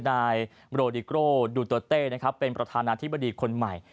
นายโรดิโกดูเตอร์เต้นะครับเป็นประธานาธิบดีคนใหม่